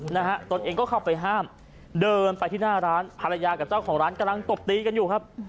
นะฮะตนเองก็เข้าไปห้ามเดินไปที่หน้าร้านภรรยากับเจ้าของร้านกำลังตบตีกันอยู่ครับ